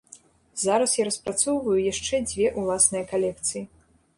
Зараз я распрацоўваю яшчэ дзве ўласныя калекцыі.